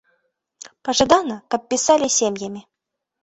Пажадана, каб пісалі сем'ямі.